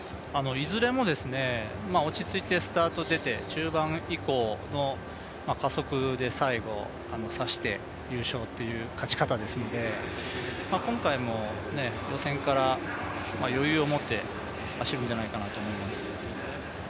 いずれも落ち着いてスタートに出て、中盤以降の加速で最後、さして優勝という勝ち方ですので、今回も予選から余裕を持って走るんじゃないかなと思います。